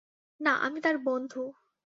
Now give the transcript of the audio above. না, আমি তার বন্ধু।